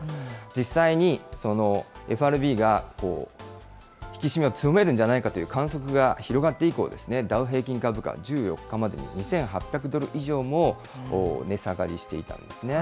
実際に、そのＦＲＢが引き締めを強めるんじゃないかという観測が広がって以降、ダウ平均株価、１４日までに２８００ドル以上も値下がりしていたんですね。